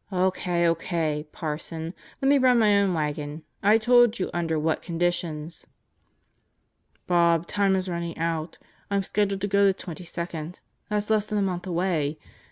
..." "O.K., O.K.!, Parson. Let me run my own wagon. I told you under what conditions " "Bob, time is running out. I'm scheduled to go the 22nd. That's less than a month away.